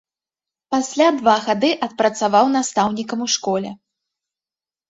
Пасля два гады адпрацаваў настаўнікам у школе.